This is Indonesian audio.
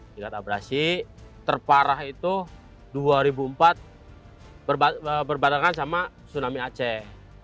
tingkat abrasi terparah itu dua ribu empat berbarengan sama tsunami aceh